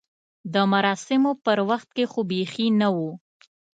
د مراسمو پر وخت کې خو بیخي نه و.